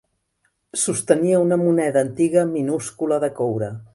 Sostenia una moneda antiga minúscula de coure.